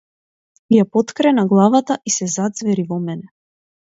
Ја поткрена главата и се заѕвери во мене.